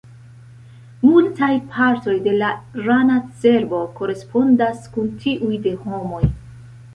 Multaj partoj de la rana cerbo korespondas kun tiuj de homoj.